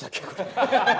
ハハハハ！